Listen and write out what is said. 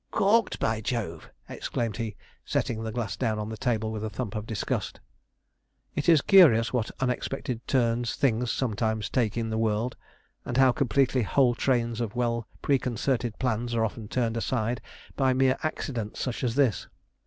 'Corked, by Jove!' exclaimed he, setting the glass down on the table with a thump of disgust. It is curious what unexpected turns things sometimes take in the world, and how completely whole trains of well preconcerted plans are often turned aside by mere accidents such as this.